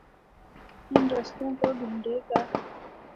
ان رستوں کو ڈھونڈے گا۔